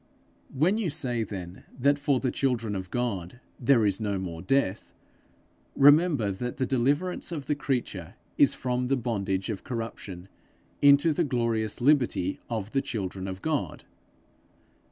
When you say then that for the children of God there is no more death, remember that the deliverance of the creature is from the bondage of corruption into the glorious liberty of the children of God.